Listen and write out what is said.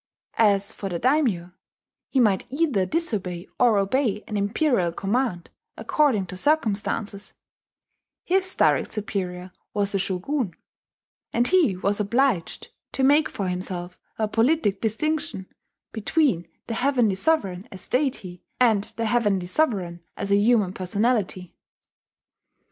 As for the daimyo, he might either disobey or obey an imperial command according to circumstances: his direct superior was the shogun; and he was obliged to make for himself a politic distinction between the Heavenly Sovereign as deity, and the Heavenly Sovereign as a human personality.